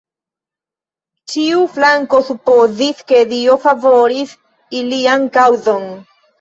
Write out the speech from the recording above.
Ĉiu flanko supozis, ke Dio favoris ilian kaŭzon.